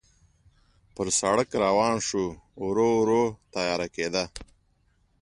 پر سړک روان شوو، ورو ورو تیاره کېده.